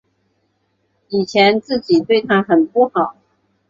以前自己对她很不好